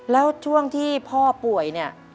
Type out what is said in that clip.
แล้วช่วงที่พ่อป่วยเนี่ย